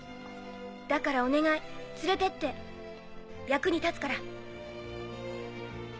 だからお願い連れてって役に立つから。